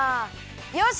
よし！